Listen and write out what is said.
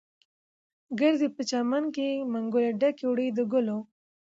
ګرځې په چمن کې، منګول ډکه وړې د ګلو